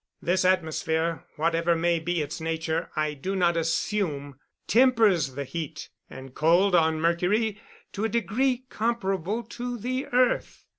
This atmosphere, whatever may be its nature I do not assume, tempers the heat and cold on Mercury to a degree comparable to the earth.